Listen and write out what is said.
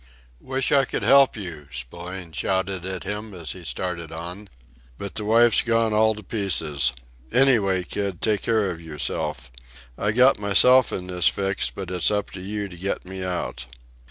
"Wish I could help you," Spillane shouted at him as he started on, "but the wife's gone all to pieces! Anyway, kid, take care of yourself! I got myself in this fix, but it's up to you to get me out!"